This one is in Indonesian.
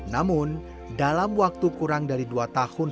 namun dalam waktu kurang dari dua tahun